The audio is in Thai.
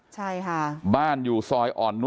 ศพที่สอง